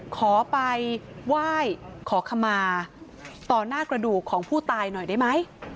ขอไปไหว้ขอขมาต่อหน้ากระดูกของผู้ตายหน่อยได้ไหม